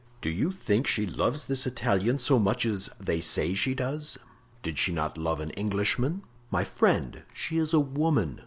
"Do you think she loves this Italian so much as they say she does?" "Did she not love an Englishman?" "My friend, she is a woman."